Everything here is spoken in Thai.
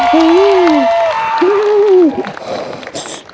เห้ย